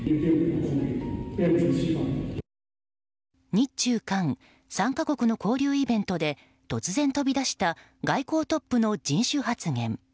日中韓３か国の交流イベントで突然飛び出した外交トップの人種発言。